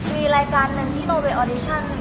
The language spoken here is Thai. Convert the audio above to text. มีรายการหนึ่งที่โมไปออดิชั่น